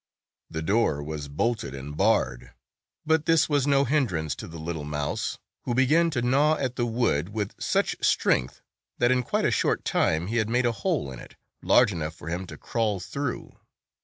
The door was bolted and barred, but this was no hindrance to the little mouse, who began to gnaw at the wood with such strength, that, in quite a short time, he had made a hole in it large enough for him to crawl through.